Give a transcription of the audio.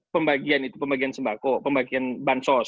pembagian itu pembagian sembako pembagian bansos